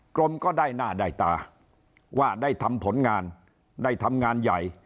กรมก็ได้หน้าได้ตาว่าได้ทำผลงานได้ทำงานใหญ่